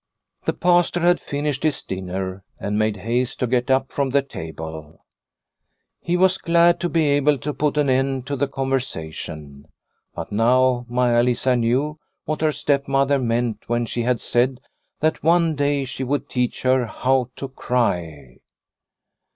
The Pastor had finished his dinner and made haste to get up from the table. He was glad to be able to put an end to the conversation. But now Maia Lisa knew what her stepmother meant when she had said that one day she would teach her how to cry.